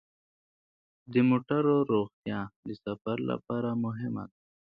د موټرو روغتیا د سفر لپاره مهمه ده.